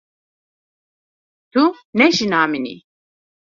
Tu ne jina min î.